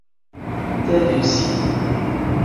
ⵜⴰⴷⵓⵙⵉ